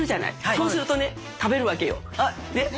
そうするとね食べるわけよねっ。